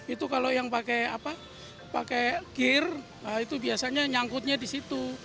itu kalau yang pakai gear itu biasanya nyangkutnya di situ